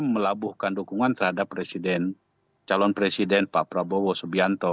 melabuhkan dukungan terhadap presiden calon presiden pak prabowo subianto